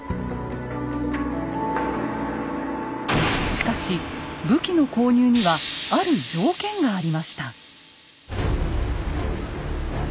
しかし武器の購入にはある条件がありました。